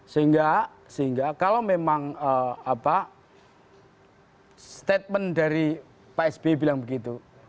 sehingga kalau memang statement dari pak sby bilang begitu